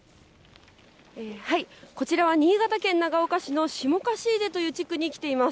こちらは新潟県長岡市の下樫出という地区に来ています。